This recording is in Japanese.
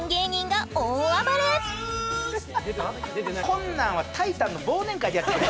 こんなんはタイタンの忘年会でやってくれ